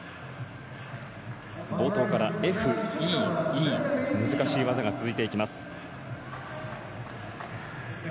冒頭からＦ、Ｅ、Ｅ難しい技が続いていきます。